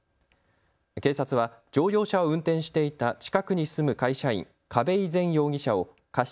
警察は乗用車を運転していた近くに住む会社員、嘉部井然容疑者を過失